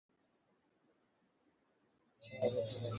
আচ্ছা, ভেতর আসো।